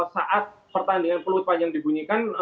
saat pertandingan peluit panjang dibunyikan